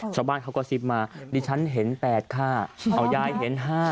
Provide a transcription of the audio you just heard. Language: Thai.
ชาวบ้านเขาก็ซิบมาดิฉันเห็น๘ค่าเอายายเห็น๕